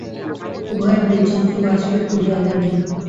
উভয়ের দুই চক্ষু বাষ্পে পুরিয়া গেল।